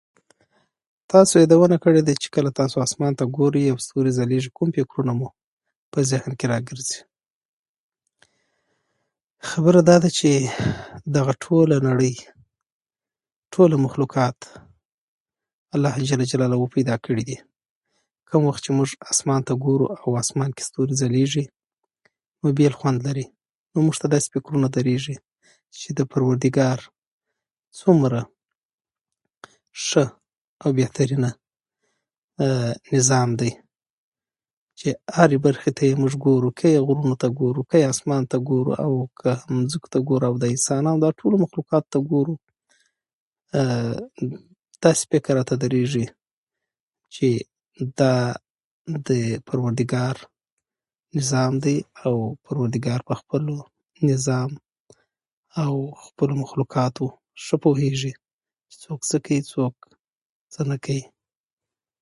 تاسي يادونه کړې ده کله چي تاسي اسمان ته ګورئ او ستوري ځلېږي کوم فکرونه مو په ذهن کي راګرځي خبره دا ده چي دغه ټوله نړۍ ټول مخلوقات الله ج پيدا کړي دي کوم وخت چي موږ اسمان ته ګورو او په اسمان کي ستوري ځلېږي نو بېل خوند لري نو موږ ته داسي فکرونه درېږي چي د پروردګار څونه ښه او بهترين نظام دی چي هري برخي ته يې موږ ګورو که يې غرونو ته ګورو که يې اسمان ته ګورو او که مځکو ته ګورو انسانانو دا ټولو مخلوقاتو ته ګورو داسي فکر راته درېږي چي دا د پروردګار نظام دی او پروردګار پخپل نظام او مخلوقاتو ښه پوهېږي چي څوک څه کوي څوک نه کوي